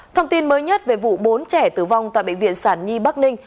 thông tin mới nhất về vụ bốn trẻ tử vong tại bệnh viện sản nhi bắc ninh